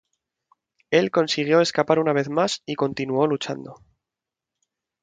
Él consiguió escapar una vez más y continuó luchando.